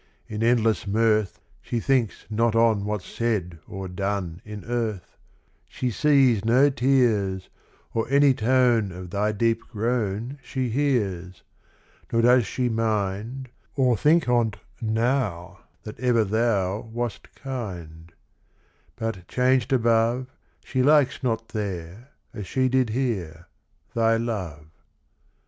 In endless mirth, She thinks not on What's said or done In earth: She sees no tears, Or any tone Of thy deep groan She hears; Nor does she mind, Or think on't now, That ever thou Wast kind: But changed above, She likes not there, As she did here, Thy love.